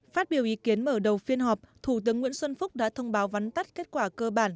phát biểu ý kiến mở đầu phiên họp thủ tướng nguyễn xuân phúc đã thông báo vắn tắt kết quả cơ bản